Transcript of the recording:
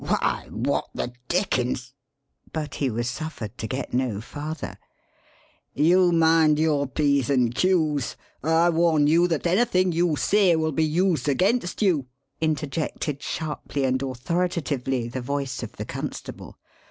"Why, what the dickens " But he was suffered to get no farther. "You mind your P's and Q's! I warn you that anything you say will be used against you!" interjected sharply and authoritatively the voice of the constable.